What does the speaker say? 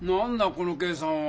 この計算は。